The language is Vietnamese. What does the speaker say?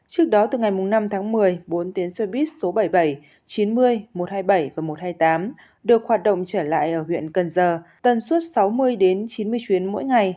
trước đó từ ngày năm tháng một mươi bốn tuyến xe buýt số bảy mươi bảy chín mươi một trăm hai mươi bảy và một trăm hai mươi tám được hoạt động trở lại ở huyện cần giờ tân suốt sáu mươi chín mươi chuyến mỗi ngày